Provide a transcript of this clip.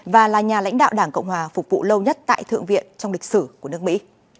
và là nhà lãnh đạo đảng cộng hòa phục vụ lâu nhất tại thượng viện trong lịch sử của nước mỹ